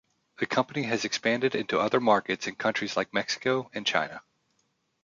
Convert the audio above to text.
The company has expanded into other markets in countries like Mexico and China.